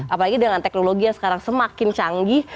apalagi dengan teknologi yang sekarang semakin canggih